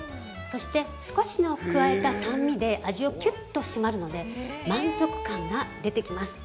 そして、少しの加えた酸味で味をきゅっと締まるので満足感が出てきます。